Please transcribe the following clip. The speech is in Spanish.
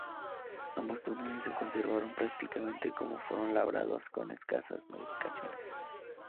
Ambos túneles se conservan prácticamente como fueron labrados, con escasas modificaciones.